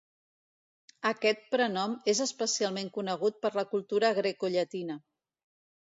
Aquest prenom és especialment conegut per la cultura grecollatina.